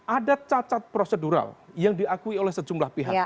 ada cacat prosedural yang diakui oleh sejumlah pihak